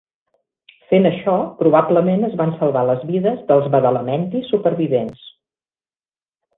Fent això, probablement es van salvar les vides dels Badalamentis supervivents.